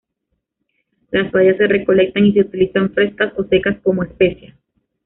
Las bayas se recolectan y se utilizan frescas o secas como especia.